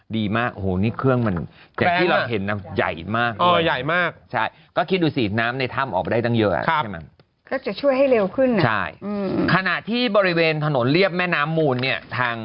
ซึ่งก็เป็นสิ่งที่ดีมาก